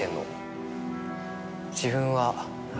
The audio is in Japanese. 「自分は」。